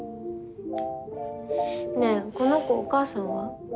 ねえこの子お母さんは？